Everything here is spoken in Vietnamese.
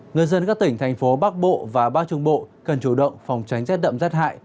người dân các tỉnh thành phố bắc bộ và bắc trung bộ cần chủ động phòng tránh rét đậm rét hại